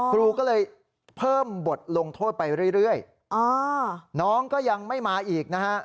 ครูก็เลยเพิ่มบทลงโทษไปเรื่อยน้องก็ยังไม่มาอีกนะฮะ